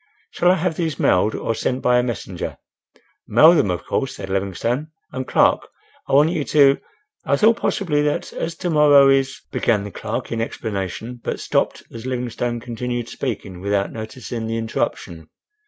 "Shall I have these mailed or sent by a messenger?" "Mail them, of course," said Livingstone. "And Clark, I want you to—" "I thought possibly that, as to morrow is—" began the clerk in explanation, but stopped as Livingstone continued speaking without noticing the interruption.